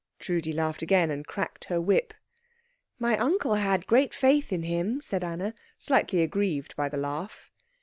Trudi laughed again, and cracked her whip. "My uncle had great faith in him," said Anna, slightly aggrieved by the laugh.